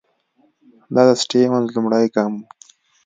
دا د سټیونز لومړنی ګام وو.